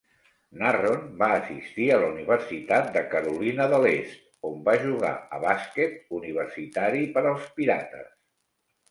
Narron va assistir a la Universitat de Carolina de l'Est, on va jugar a bàsquet universitari per als Pirates.